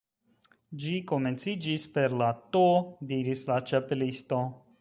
"Ĝi komenciĝis per la T " diris la Ĉapelisto.